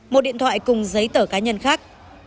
một điện thoại cùng giấy tờ cá nhân khác